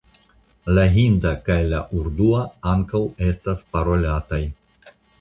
La hinda kaj la urdua ankaŭ estas parolataj.